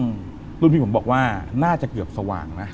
รุ่นพี่ผมบอกว่าน่าจะเกือบสว่างนะ